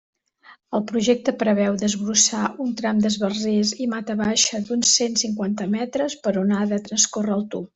El Projecte preveu desbrossar un tram d'esbarzers i mata baixa d'uns cent cinquanta metres per on ha de transcórrer el tub.